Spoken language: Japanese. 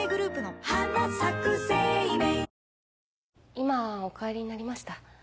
今お帰りになりました。